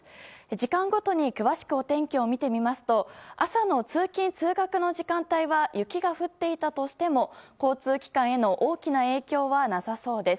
時間ごとに詳しくお天気を見てみますと朝の通勤・通学の時間帯は雪が降っていたとしても交通機関への大きな影響はなさそうです。